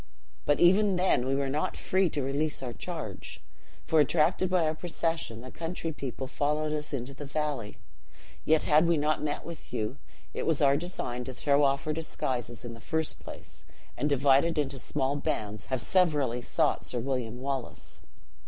But even then we were not free to release our charge, for, attracted by our procession, the country people followed us into the valley. Yet had we not met with you, it was our design to throw off our disguises in the first place, and, divided into small bands, have severally sought Sir William Wallace."